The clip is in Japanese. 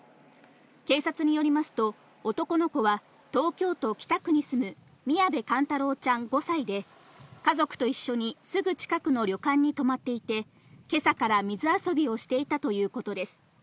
警察によりますと、男の子は東京都北区に住む、宮部寛太郎ちゃん５歳で、家族と一緒にすぐ近くの旅館に泊まっていて、けさから水遊びをしていたということです。